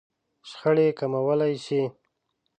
-شخړې کموالی شئ